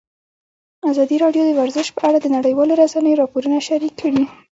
ازادي راډیو د ورزش په اړه د نړیوالو رسنیو راپورونه شریک کړي.